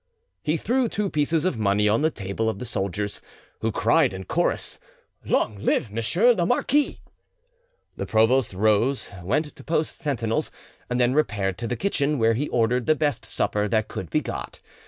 He threw two pieces of money on the table of the soldiers, who cried in chorus, "Long live M. the marquis!" The provost rose, went to post sentinels, and then repaired to the kitchen, where he ordered the best supper that could be got.